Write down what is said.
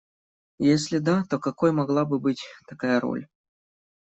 И если да, то какой могла бы быть такая роль?